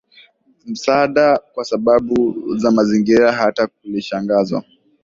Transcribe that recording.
Msaada Kwa Sababu za Mazingira Hata tulishangazwa